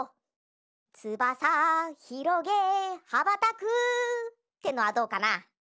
「つばさひろげはばたく」ってのはどうかな？